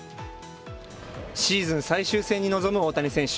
シーズン最終戦に臨む大谷選手。